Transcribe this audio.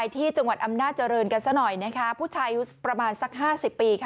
ที่จังหวัดอำนาจริงกันสักหน่อยผู้ไขมือประมาณสัก๕๐ปี